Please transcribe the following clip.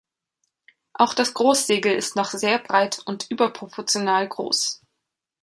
Auch das Großsegel ist noch sehr breit und überproportional groß.